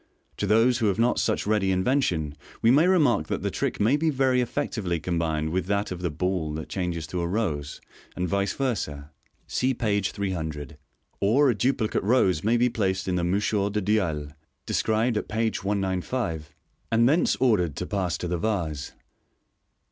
To those who have not such ready invention, we may remark that the trick may be very effectively combined with that of the ball that changes to a rose, and vice versa (see page 300), or a duplicate rose may be placed in the mouchoir du dialle (described at page 195), and thence ordered to pass to the vase.